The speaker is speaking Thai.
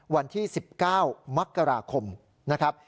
วันที่๑๙มกราคมนะครับ